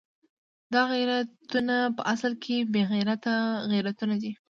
دا غیرتونه په اصل کې بې غیرته غیرتونه دي.